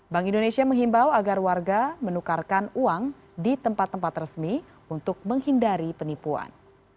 bank indonesia menghimbau agar warga menukarkan uang di tempat tempat resmi untuk menghindari penipuan